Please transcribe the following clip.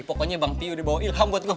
pokoknya bang piu udah bawa ilham buat gue